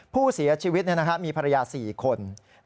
ผู้เสียชีวิตมีภรรยา๔คน